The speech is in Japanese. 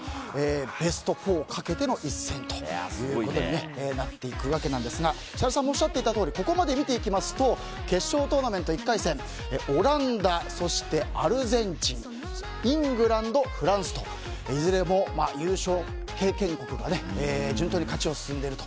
ベスト４をかけての一戦ということになるわけですが設楽さんもおっしゃっていたとおりここまで見てみますと決勝トーナメント１回戦オランダ、アルゼンチンイングランド、フランスといずれも優勝経験国が順当に勝ちで進んでいると。